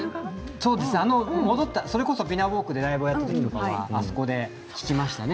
それこそビナウォークでライブをやった時はあそこで聴きましたね。